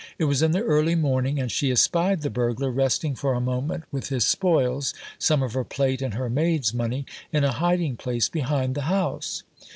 It was in the early morning, and she espied the burglar resting for a moment with his spoils (some of her plate and her maid's money) in a hiding place behind the house.